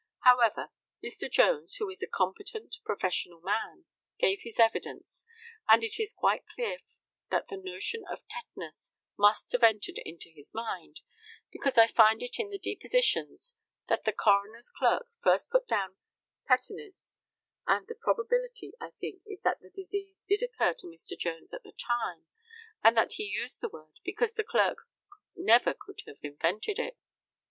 However, Mr. Jones, who is a competent professional man, gave his evidence, and it is quite clear that the notion of tetanus must have entered into his mind, because I find in the depositions that the coroner's clerk first put down "tetinus;" and the probability, I think, is that that disease did occur to Mr. Jones at the time, and that he used the word, because the clerk never could have invented it.